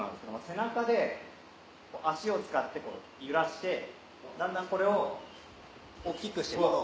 背中で足を使って揺らしてだんだんこれを大っきくしてくと。